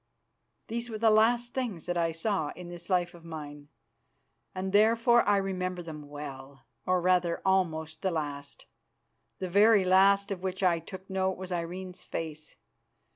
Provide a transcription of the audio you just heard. These were the last things that I saw in this life of mine, and therefore I remember them well, or rather, almost the last. The very last of which I took note was Irene's face.